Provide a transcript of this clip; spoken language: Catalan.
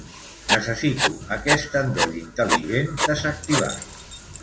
Necessito aquest endoll intel·ligent desactivat.